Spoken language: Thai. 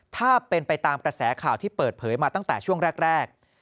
ถ้าเป็นไปตามกระแสข่าวที่เปิดเผยมาตั้งแต่ช่วงแรก